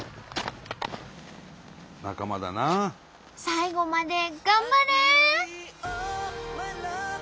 最後まで頑張れ！